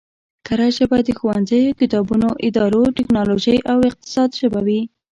کره ژبه د ښوونځیو، کتابونو، ادارو، ټکنولوژۍ او اقتصاد ژبه وي